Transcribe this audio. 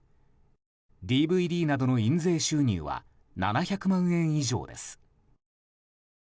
ＤＶＤなどの印税収入は７００万円以上です。